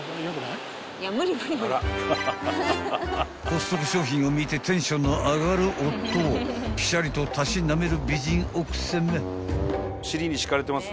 ［コストコ商品を見てテンションの上がる夫をピシャリとたしなめる美人奥さま］